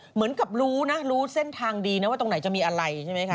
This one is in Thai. เหมือนกับรู้นะรู้เส้นทางดีนะว่าตรงไหนจะมีอะไรใช่ไหมคะ